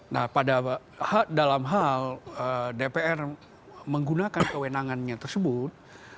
nah dalam hal dpr menggunakan kewenangannya tersebut